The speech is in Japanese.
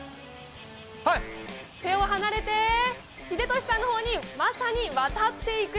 手を離れて秀敏さんの方にまさに渡っていく。